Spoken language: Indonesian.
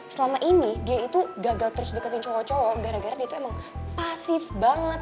selama ini dia itu gagal terus deketin cowok cowok gara gara dia tuh emang pasif banget